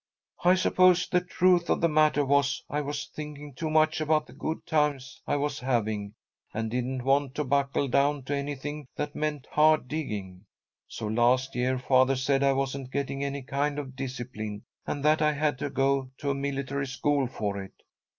I suppose the truth of the matter was I was thinking too much about the good times I was having, and didn't want to buckle down to anything that meant hard digging. So last year father said I wasn't getting any kind of discipline, and that I had to go to a military school for it.